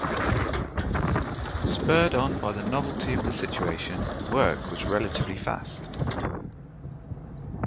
Spurred on by the novelty of the situation, work was relatively fast.